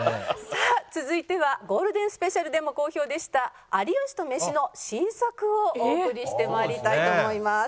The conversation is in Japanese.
さあ続いてはゴールデンスペシャルでも好評でした「有吉とメシ」の新作をお送りして参りたいと思います。